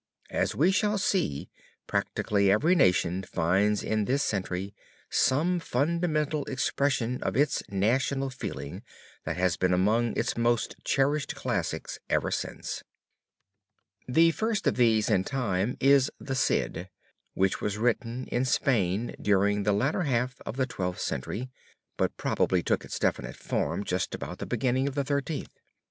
As we shall see, practically every nation finds in this century some fundamental expression of its national feeling that has been among its most cherished classics ever since. {opp168} SANTA MARIA SOPRA MINERVA (ROME'S GOTHIC CATHEDRAL) The first of these in time is the Cid, which was written in Spain during the latter half of the Twelfth Century, but probably took its definite form just about the beginning of the Thirteenth.